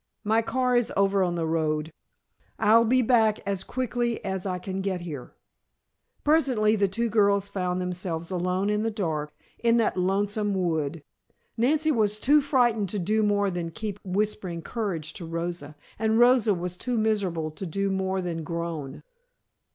My car is over on the road. I'll be back as quickly as I can get here." Presently the two girls found themselves alone, in the dark, in that lonesome wood. Nancy was too frightened to do more than keep whispering courage to Rosa, and Rosa was too miserable to do more than groan.